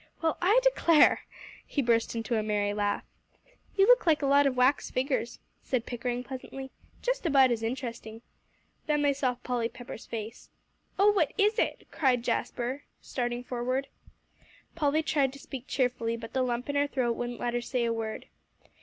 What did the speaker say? "Well, I declare!" He burst into a merry laugh. "You look like a lot of wax figures," said Pickering pleasantly; "just about as interesting." Then they saw Polly Pepper's face. "Oh, what is it?" cried Jasper, starting forward. Polly tried to speak cheerfully, but the lump in her throat wouldn't let her say a word.